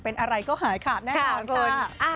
เป็นอะไรก็หาขาดหน้าค่ะคุณ